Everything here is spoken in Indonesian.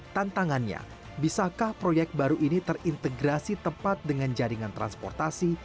tantangannya bisakah proyek baru ini terintegrasi tepat dengan jaringan transportasi